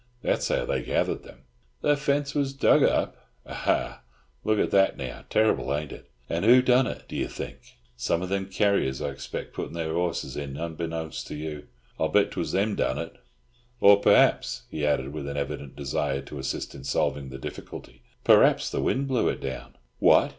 That's how they gathered them." "The fence wuz dug up! Ah, look at that now. Terrible, ain't it. An' who done it, do ye think? Some of them carriers, I expect, puttin' their horses in unbeknownst to you. I'll bet 'twas them done it. Or, perhaps," he added, with an evident desire to assist in solving the difficulty, "perhaps the wind blew it down." "What!"